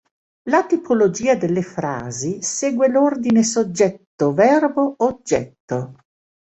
La tipologia delle frasi segue l'ordine Soggetto Verbo Oggetto.